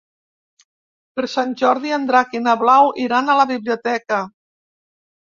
Per Sant Jordi en Drac i na Blau iran a la biblioteca.